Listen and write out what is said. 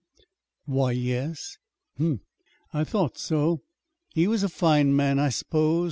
"Why y yes." "Hm m; I thought so. He was a fine man, I s'pose.